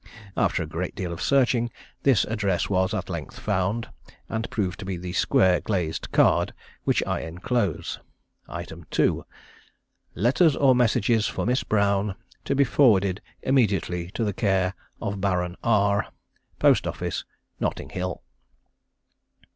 After a great deal of searching, this address was at length found, and proved to be the square glazed card which I enclose. 2. Letters or messages for Miss Brown to be forwarded immediately to care of. Baron R, _Post Office, Notting Hill.